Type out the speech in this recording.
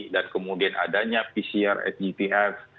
dan kemudian adanya pcr at gts